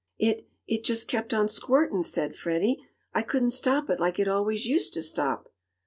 "It it just kept on squirtin'!" said Freddie. "I couldn't stop it like it always used to stop."